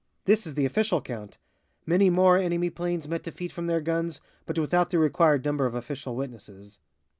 This is the official count. Many more enemy planes met defeat from their guns, but without the required number of official witnesses.